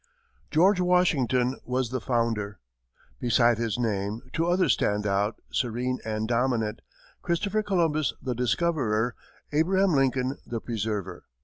George Washington was the founder. Beside his name, two others stand out, serene and dominant: Christopher Columbus, the discoverer; Abraham Lincoln, the preserver.